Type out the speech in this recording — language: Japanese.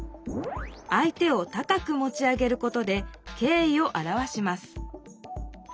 相手を高くもち上げることで敬意をあらわします